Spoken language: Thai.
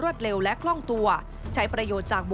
ซึ่งกลางปีนี้ผลการประเมินการทำงานขององค์การมหาชนปี๒ประสิทธิภาพสูงสุด